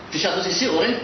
di satu sisi